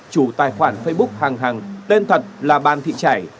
chủ tài khoản facebook hàng tên thật là ban thị trải